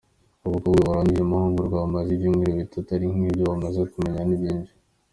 Abakobwa barangije amahugurwa bamaze ibyumweru bitatu ariko ibyo bamaze kumenya ni byinshi.